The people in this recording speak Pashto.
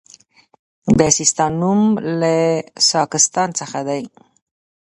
د سیستان نوم له ساکستان څخه دی